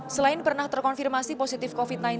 selain pernah terkonfirmasi positif covid sembilan belas